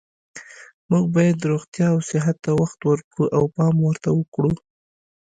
موږ باید روغتیا او صحت ته وخت ورکړو او پام ورته کړو